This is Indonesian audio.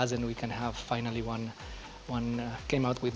supaya kita bisa berbicara dan akhirnya kita dapat